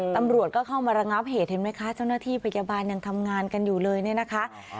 ตำรวจก็เข้ามาระงับเหตุเห็นไหมคะเจ้าหน้าที่พยาบาลยังทำงานกันอยู่เลยเนี่ยนะคะ